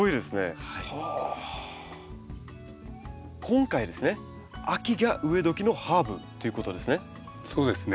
今回ですね秋が植えどきのハーブということですね。